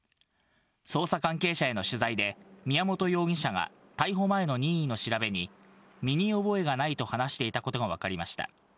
捜査関係者への取材で、宮本容疑者が逮捕前の任意の調べに、身に覚えがないと話していたことが分かりました。